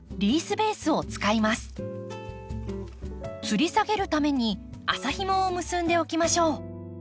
つり下げるために麻ひもを結んでおきましょう。